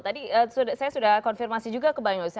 tadi saya sudah konfirmasi juga ke bang yose